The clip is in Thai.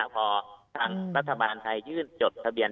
พอทางรัฐบาลไทยยื่นจดทะเบียน